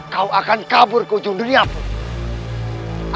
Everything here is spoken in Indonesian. kau akan kabur ke ujung dunia pun